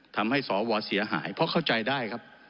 ทำให้สวเสียหายเพราะเข้าใจได้ครับ